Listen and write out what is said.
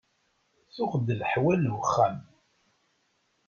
Tuɣ-d leḥwal n wexxam.